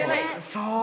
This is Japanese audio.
そう。